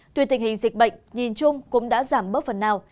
tuy tình hình dịch bệnh nhìn chung cũng đã giảm bớt phần nào